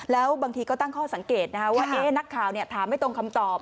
แล้วบางทีก็ตั้งข้อสังเกตว่านักข่าวถามไม่ตรงคำตอบ